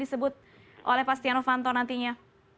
disebut oleh pak stiano fanto nantinya